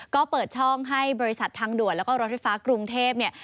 ก็เปิดช่องให้บริษัททางด่วนแล้วก็รถไฟฟ้ากรุงเทพเนี่ย